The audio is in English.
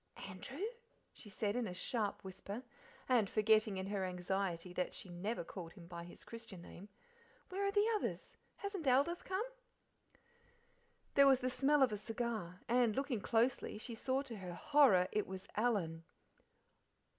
"Andrew!" she said in a sharp whisper, and forgetting in her anxiety that she never called him by his Christian name "where are the others? Hasn't Aldith come?" There was the smell of a cigar, and, looking closely, she saw to her horror it was Alan.